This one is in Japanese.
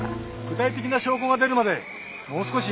具体的な証拠が出るまでもう少し待ってください。